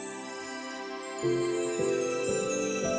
dia menemukan artefak yang sangat menarik